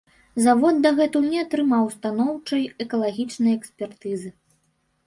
Завод дагэтуль не атрымаў станоўчай экалагічнай экспертызы.